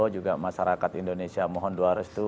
juga masyarakat indonesia mohon doa restu